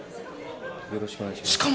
よろしくお願いします。